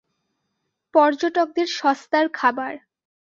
পর্যটকদের সস্তার খাবার।